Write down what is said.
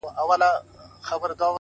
ساقي وتاته مو په ټول وجود سلام دی پيره!!